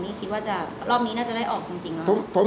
นี่คิดว่าจะรอบนี้น่าจะได้ออกจริงแล้ว